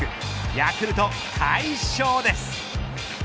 ヤクルト、快勝です。